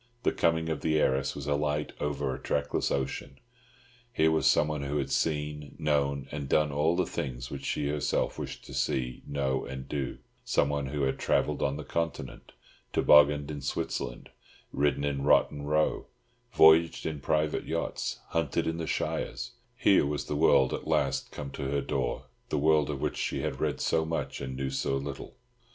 The coming of the heiress was as light over a trackless ocean. Here was someone who had seen, known, and done all the things which she herself wished to see, know, and do; someone who had travelled on the Continent, tobogganed in Switzerland, ridden in Rotten Row, voyaged in private yachts, hunted in the shires; here was the world at last come to her door—the world of which she had read so much and knew so little.